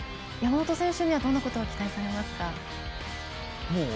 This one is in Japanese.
山本選手にはどんなことを期待されますか？